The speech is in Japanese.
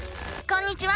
こんにちは！